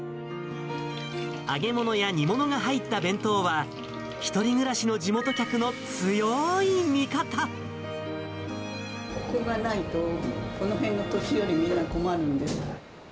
揚げ物や煮物が入った弁当は、ここがないと、この辺のお年寄りみんな困るんです。